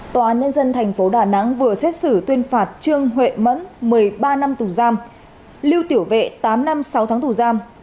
tòa án nhân dân tp đà nẵng vừa xét xử tuyên phạt trương huệ mẫn một mươi ba năm tù giam lưu tiểu vệ tám năm sáu tháng tù giam